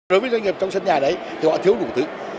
đối với doanh nghiệp trong sân nhà đấy thì họ thiếu đủ thứ